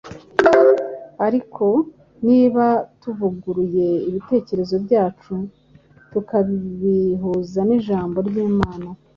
Ariko niba tuvuguruye ibitekerezo byacu tukabihuza n’Ijambo ry’Imana,